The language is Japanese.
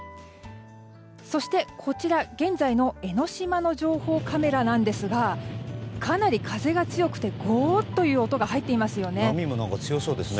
そして、こちら現在の江の島の情報カメラですがかなり風が強くてゴーっという音が波も強そうですね。